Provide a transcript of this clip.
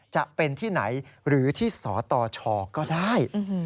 จะเป็นที่ไหนหรือที่สตชก็ได้